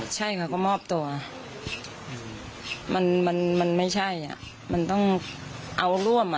ใช่ค่ะก็มอบตัวมันมันไม่ใช่อ่ะมันต้องเอาร่วมอ่ะ